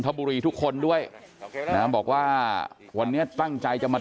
ตอนนี้ต้องขอโทษโดยบางจุดที่เราไม่ได้ไป